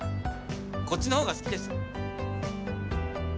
こっちの方が好きです。